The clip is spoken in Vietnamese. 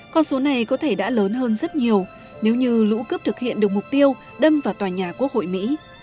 con số này có thể đã lớn hơn rất nhiều nếu như lũ cướp thực hiện được mục tiêu đâm vào tòa nhà quốc hội mỹ